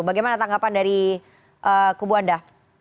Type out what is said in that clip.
bagaimana tanggapan dari kubu anda